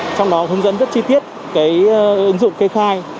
trong đó hướng dẫn rất chi tiết ứng dụng kê khai